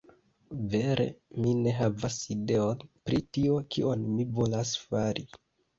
Vere, mi ne havas ideon, pri tio, kion mi volas fari.